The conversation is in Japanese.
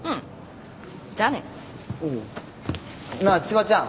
なあ千葉ちゃん。